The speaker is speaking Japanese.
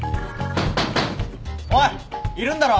おいいるんだろ！